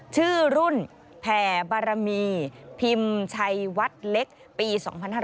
ชื่อรุ่นแผ่บารมีพิมพ์ชัยวัดเล็กปี๒๕๕๙